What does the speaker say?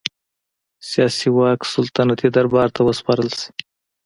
سیاسي واک سلطنتي دربار ته وسپارل شي.